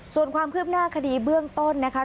ส่วนความคืบหน้าคดีเบื้องต้นนะคะ